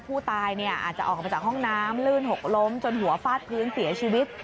ผู้ตายอาจจะออกมาจากห้องน้ำลื่นหกล้มจนหัวฟาดพื้นเสียชีวิต